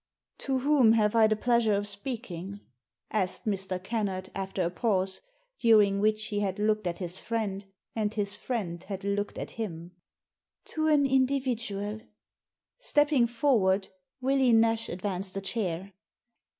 "To whom have I the pleasure of speaking?" asked Mr. Kennard, after a pause, during which he had looked at his friend, and his friend had looked at him. " To an individual." Stepping forward Willie Nash advanced a chair.